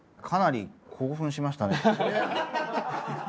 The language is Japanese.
かなり興奮しましたね。